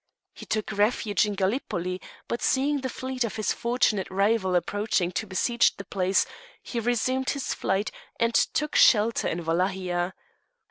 He took refuge in Gallipoli, but seeing the fleet of his fortunate rival approaching to besiege the place, he resumed his flight, and took shelter in Walachia.